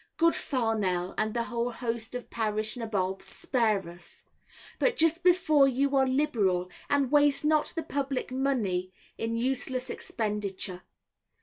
Good Farnell, and the whole host of parish nabobs, spare us. Be just before you are liberal, and waste not the public money in useless expenditure.